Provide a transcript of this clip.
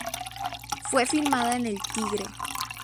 Fue filmada en el Tigre.